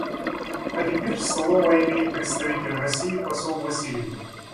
А теперь слово имеет представитель России посол Васильев.